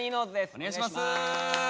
お願いします！